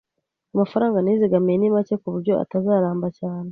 Amafaranga nizigamiye ni make kuburyo atazaramba cyane